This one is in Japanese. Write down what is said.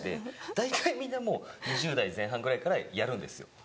大体みんなもう２０代前半ぐらいからやるんです。